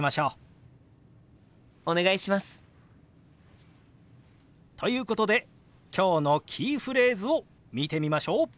お願いします！ということで今日のキーフレーズを見てみましょう。